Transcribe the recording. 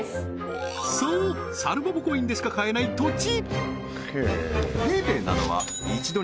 そうさるぼぼコインでしか買えない土地！